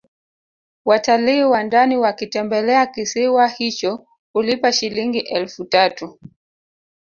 Watalii wa ndani wakitembelea kisiwa hicho hulipa Shilingi elfu tatu